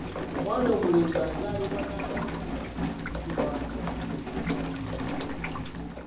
Omwana omulenzi azaalibwa n'amannyo ayitibwa atya?